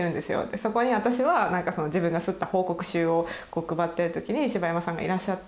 そこに私は自分が刷った報告集を配ってるときに柴山さんがいらっしゃって。